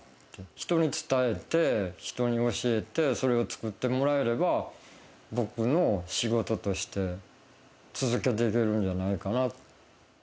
人に伝えて、人に教えて、それを作ってもらえれば、僕の仕事として続けていけるんじゃないかな。